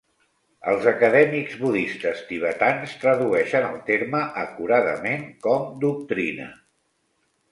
Els acadèmics budistes tibetans tradueixen el terme acuradament com "doctrina".